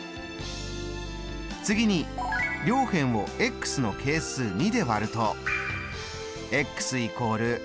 次に両辺をの係数２で割ると＝。